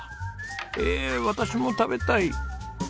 ええ私も食べたい。